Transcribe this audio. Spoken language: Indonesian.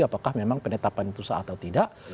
apakah memang penetapan itu seatau tidak